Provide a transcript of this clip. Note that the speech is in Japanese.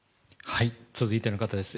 続いての方です。